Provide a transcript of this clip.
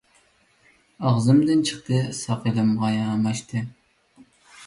ئاغزىمدىن چىقتى، ساقىلىمغا ياماشتى.